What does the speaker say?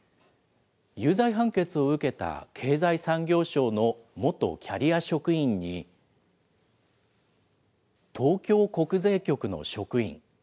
有罪判決を受けた経済産業省の元キャリア職員に、東京国税局の職員。